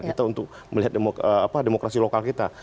kita untuk melihat demokrasi lokal kita